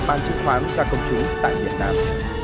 bán chứng khoán ra công chúng tại việt nam